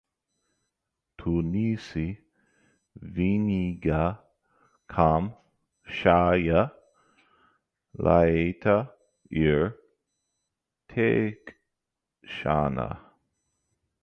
Tu neesi vienīgā, kam šajā lietā ir teikšana!